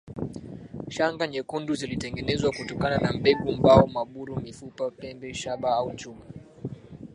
Shanga nyekundu zilitengenezwa kutokana na mbegu mbao maburu mifupa pembe shaba au chuma